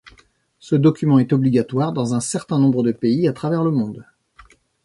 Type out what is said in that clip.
Ce document est obligatoire dans un certain nombre de pays à travers le monde.